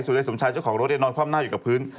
สุดใดสนุนชายเจ้าของรถได้นอนความหน้าอยู่กับพื้น